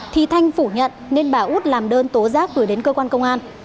thì thanh phủ nhận nên bà út làm đơn tố giác gửi đến cơ quan công an